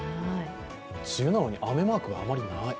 梅雨なのに雨マークがあまりない。